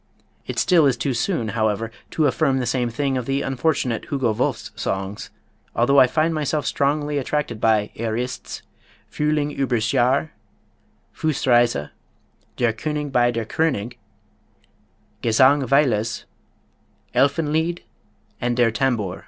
It still is too soon, however, to affirm the same thing of the unfortunate Hugo Wolf's songs, although I find myself strongly attracted by "Er ists," "Frühling übers Jahr," "Fussteise," "Der König bei der Kröning," "Gesang Weyla's," "Elfenlied" and "Der Tambour."